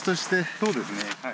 そうですねはい。